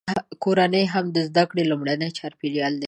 کورنۍ هم د زده کړې لومړنی چاپیریال دی.